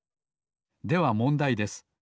ではもんだいです。